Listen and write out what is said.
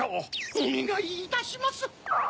おねがいいたします！